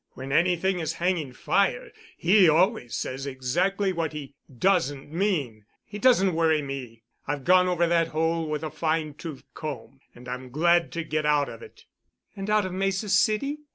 When anything is hanging fire he always says exactly what he doesn't mean. He doesn't worry me. I've gone over that hole with a fine tooth comb, and I'm glad to get out of it." "And out of Mesa City?"